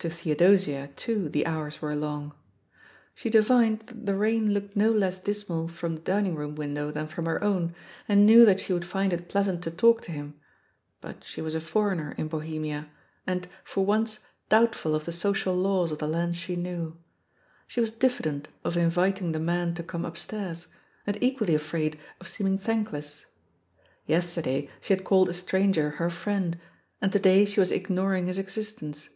To Theodosia, too, the hours were long. She divined that the rain looked no less dismal from the dining room window than from her own, and knew that she would find it pleasant to talk to him ; but she was a foreigner in bohemia, and, for once, doubtful THE POSITION OF PEGGY HARPER 191 bf the social laws of the land she knew. She was diffident of inviting the man to "come upstairs," and equally afraid of seeming thankless. Yester day she had called a stranger her "friend," and to day she was ignoring his existence.